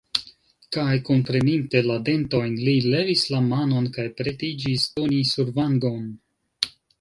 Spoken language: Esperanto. Kaj, kunpreminte la dentojn, li levis la manon kaj pretiĝis doni survangon.